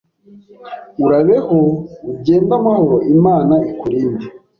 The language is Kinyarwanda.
urabeho, ugende amahoro, Imana ikurinde